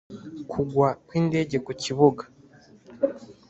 Kugwa kw indege ku bibuga